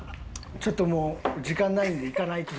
ちょっともう時間ないんで行かないと。